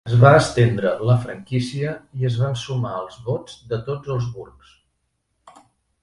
Es va estendre la franquícia i es van sumar els vots de tots els burgs.